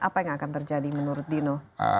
apa yang akan terjadi menurut dino